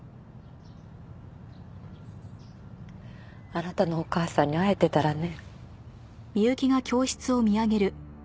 あなたのお母さんに会えてたらね。